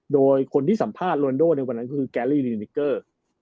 โดยคนที่สัมภาษณ์โรนโดในวันนั้นคือแกรี่ลินิกเกอร์